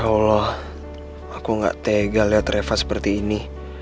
ya allah aku gak tega liat reva seperti ini